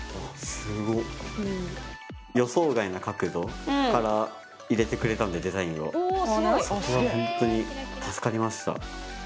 予想外な角度から入れてくれたのでデザインをそこはほんとに助かりました。